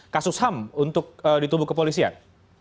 kasus ham untuk ditubuh kepolisian